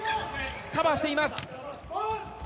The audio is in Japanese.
カバーしています。